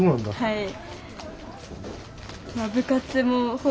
はい。